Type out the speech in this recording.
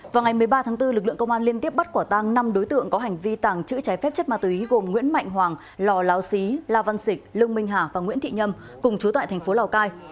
vào ngày một mươi ba tháng bốn lực lượng công an liên tiếp bắt quả tăng năm đối tượng có hành vi tàng trữ trái phép chất ma túy gồm nguyễn mạnh hoàng lò láo xí la văn xịch lương minh hà và nguyễn thị nhâm cùng chú tại thành phố lào cai